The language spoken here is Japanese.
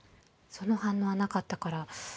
その反応はなかったから。